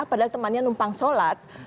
padahal temannya numpang sholat